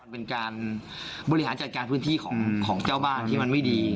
เป็นการบริหารจัดการพื้นที่ของเจ้าบ้านที่มันไม่ดี